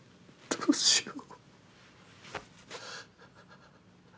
どうしよう。